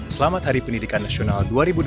selamat hari pendidikan nasional